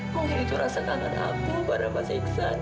mungkin itu rasa kangen aku pada masa iksan